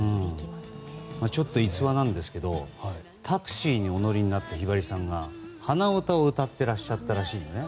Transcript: ちょっと、逸話なんですけどタクシーにお乗りになったひばりさんが鼻歌を歌ってらっしゃったらしいんですね。